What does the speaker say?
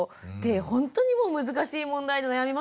ほんとにもう難しい問題で悩みますよね。